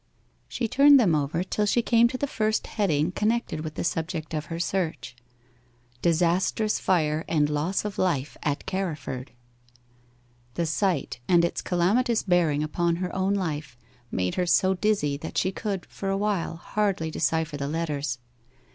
She turned them over till she came to the first heading connected with the subject of her search 'Disastrous Fire and Loss of Life at Carriford.' The sight, and its calamitous bearing upon her own life, made her so dizzy that she could, for a while, hardly decipher the letters.